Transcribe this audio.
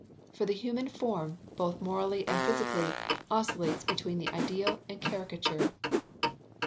For the human form, both morally and physically, oscillates between the ideal and caricature.